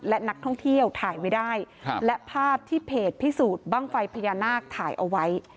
และนักท่องเที่ยวถ่ายไว้ได้และภาพที่เพจพิสูจน์บ้างไฟพญานาคถ่ายเอาไว้